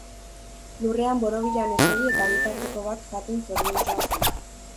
Lurrean borobilean eseri eta ogitarteko bat Jaten zoriontsua zen.